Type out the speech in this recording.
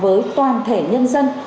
với toàn thể nhân dân